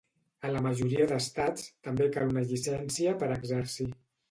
A la majoria d'estats, també cal una llicència per exercir.